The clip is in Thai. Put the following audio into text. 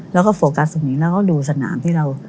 แล้วก็โฟกัสตรงนี้แล้วก็ดูสนามที่เรา